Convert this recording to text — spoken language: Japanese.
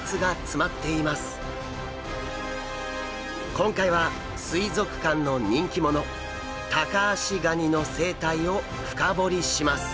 今回は水族館の人気者タカアシガニの生態を深掘りします！